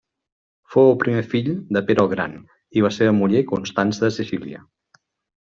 Fou el primer fill de Pere el Gran i la seva muller Constança de Sicília.